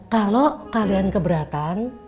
kalo kalian keberatan